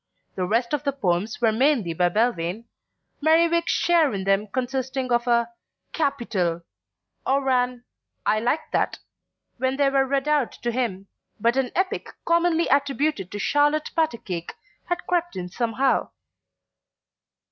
The rest of the poems were mainly by Belvane, Merriwig's share in them consisting of a "Capital," or an "I like that," when they were read out to him; but an epic commonly attributed to Charlotte Patacake had crept in somehow.